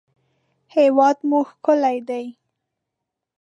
هېواد مو ښکلی دی